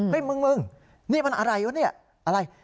มึงมึงนี่มันอะไรวะเนี่ยอะไร